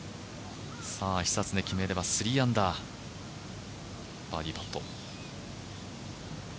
久常決めれば３アンダーバーディーパット。